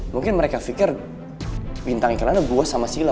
mungkin mereka fikir bintang iklan itu gue sama sila